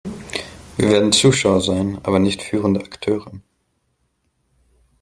Wir werden Zuschauer sein, aber nicht führende Akteure.